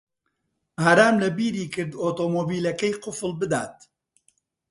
ئارام لەبیری کرد ئۆتۆمۆبیلەکەی قوفڵ بدات.